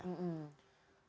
kalau dahulu mungkin